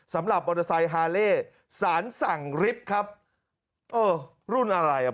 สำหรับมอเตอร์ไซค์ฮาเล่สารสั่งริบครับเออรุ่นอะไรอ่ะ